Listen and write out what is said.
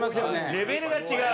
レベルが違う！